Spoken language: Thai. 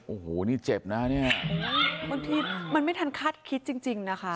โอ้โหนี่เจ็บนะเนี่ยบางทีมันไม่ทันคาดคิดจริงจริงนะคะ